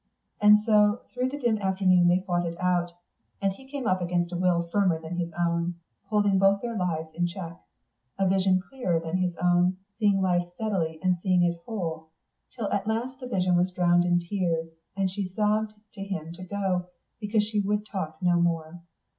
And so through the dim afternoon they fought it out, and he came up against a will firmer than his own, holding both their loves in check, a vision clearer than his own, seeing life steadily and seeing it whole, till at last the vision was drowned in tears, and she sobbed to him to go, because she would talk no more.